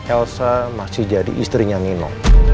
elsa masih jadi istrinya nino